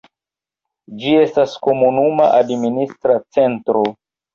Ĝi estas komunuma administra centro.